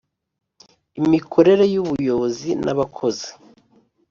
imikorere y Ubuyobozi n Abakozi